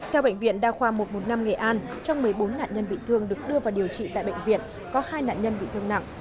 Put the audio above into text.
theo bệnh viện đa khoa một trăm một mươi năm nghệ an trong một mươi bốn nạn nhân bị thương được đưa vào điều trị tại bệnh viện có hai nạn nhân bị thương nặng